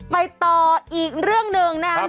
ไปต่ออีกเรื่องหนึ่งนะครับ